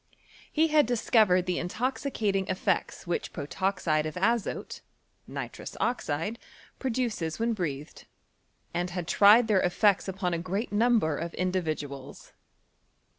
He had discovered the intoxicating effect* which protoxide of azote (nitrous oxide) prodoces when breatlicd, and had tried their effects upon s great number of individuals.